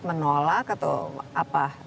menolak atau apa